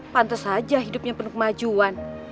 pantes aja hidupnya penuh kemajuan